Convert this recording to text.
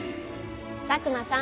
佐久間さん。